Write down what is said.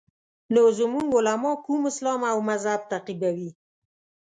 نو زموږ علما کوم اسلام او مذهب تعقیبوي.